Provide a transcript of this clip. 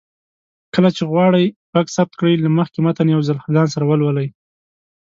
کله چې غواړئ غږ ثبت کړئ، له مخکې متن يو ځل ځان سره ولولئ